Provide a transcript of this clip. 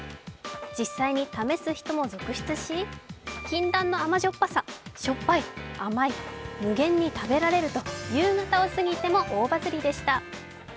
実際に試す人も続出し、禁断の甘じょっぱさ、しょっぱい、甘い、無限に食べられると夕方を過ぎても大バズりでした。